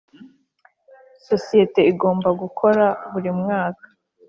Sosiyete igomba gukora buri mwaka